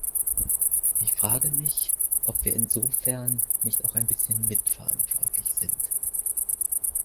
Ich frage mich, ob wir insofern nicht auch ein bisschen mitverantwortlich sind.